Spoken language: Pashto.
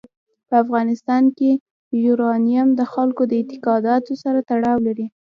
په افغانستان کې یورانیم د خلکو د اعتقاداتو سره تړاو لري.